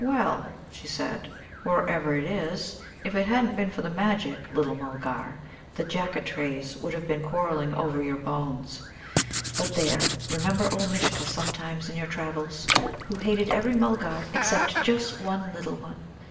"Well," she said, "wherever it is, if it hadn't been for the Magic, little Mulgar, the Jaccatrays would have been quarrelling over your bones. But there! remember old Mishcha sometimes in your travels, who hated every Mulgar except just one little one!"